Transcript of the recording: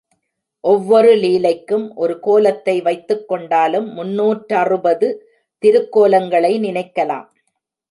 ஒவ்வொரு லீலைக்கும் ஒரு கோலத்தை வைத்துக் கொண்டாலும் முந்நூற்றறுபது திருக்கோலங்களை நினைக்கலாம்.